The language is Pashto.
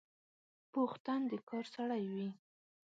پوخ تن د کار سړی وي